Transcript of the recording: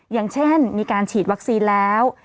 อย่างเช่นมีการฉีดวัคซีนแล้ว